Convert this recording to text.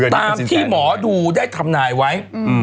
ตามที่หมอดูได้ทำนายไว้